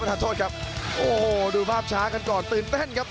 ท่านโทษครับโอ้โหดูภาพช้ากันก่อนตื่นเต้นครับ